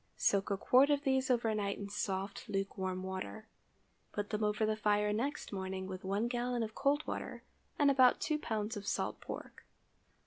Soak a quart of these over night in soft lukewarm water; put them over the fire next morning, with one gallon of cold water and about two pounds of salt pork.